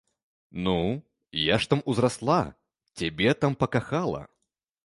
Ну, я ж там узрасла, цябе там пакахала.